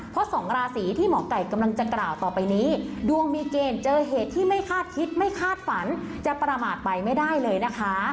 เพราะสองราศีที่หมอไก่กำลังจะกล่าวต่อไปนี้ดวงมีเกณฑ์เจอเหตุที่ไม่คาดคิดไม่คาดฝันจะประมาทไปไม่ได้เลยนะคะ